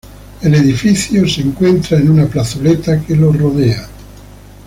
El edificio se encuentra en una plazoleta que lo rodea.